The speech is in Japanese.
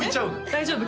大丈夫？